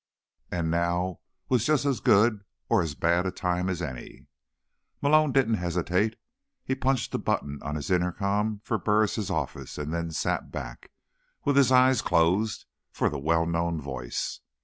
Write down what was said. And now was just as good, or as bad, a time as any. Malone didn't hesitate. He punched the button on his intercom for Burris' office and then sat back, with his eyes closed, for the well known voice.